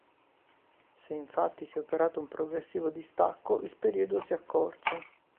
Se infatti si è operato un progressivo distacco il periodo si accorcia.